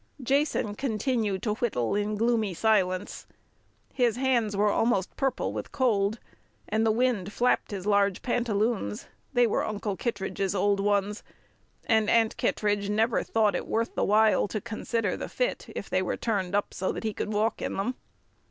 Jason continued to whittle in gloomy silence. His hands were almost purple with cold, and the wind flapped his large pantaloons they were Uncle Kittredge's old ones, and Aunt Kittredge never thought it worth the while to consider the fit if they were turned up so that he could walk in them.